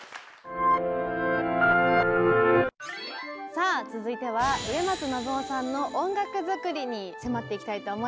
さあ続いては植松伸夫さんの音楽作りに迫っていきたいと思います。